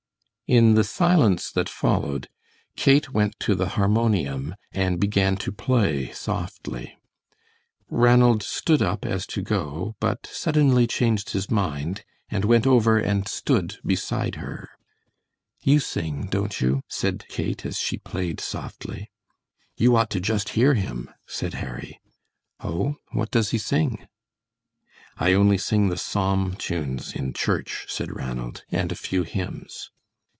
In the silence that followed Kate went to the harmonium and began to play softly. Ranald stood up as to go, but suddenly changed his mind, and went over and stood beside her. "You sing, don't you?" said Kate, as she played softly. "You ought to just hear him," said Harry. "Oh, what does he sing?" "I only sing the psalm tunes in church," said Ranald, "and a few hymns."